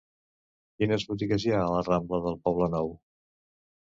Quines botigues hi ha a la rambla del Poblenou?